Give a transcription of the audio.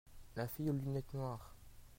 La fille aux lunettes noires.